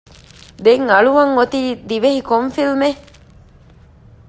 ދެން އަޅުވަން އޮތީ ދިވެހި ކޮން ފިލްމެއް؟